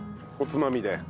おつまみで。